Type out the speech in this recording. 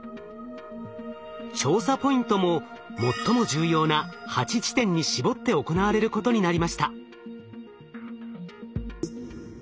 調査ポイントも最も重要な８地点に絞って行われることになりました。